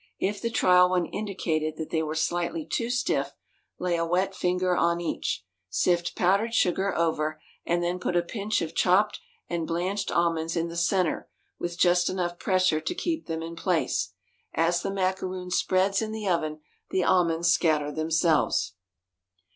If the trial one indicated that they were slightly too stiff, lay a wet finger on each, sift powdered sugar over, and then put a pinch of chopped and blanched almonds in the centre with just enough pressure to keep them in place. As the macaroon spreads in the oven the almonds scatter themselves.